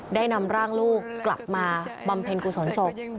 ได้นำร่างลูกกลับมาบำเพ็ญกุศลศพ